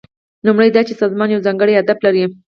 لومړی دا چې سازمان یو ځانګړی هدف لري.